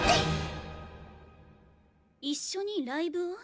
一緒にライブを？